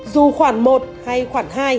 dù khoản một hay khoản hai